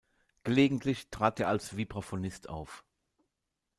Gelegentlich trat er als Vibraphonist auf.